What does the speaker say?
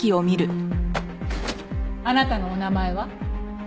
あなたのお名前は？